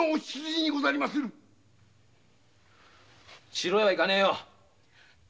城へは行かねえよ。